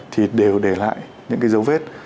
thì đều để lại những cái dấu vết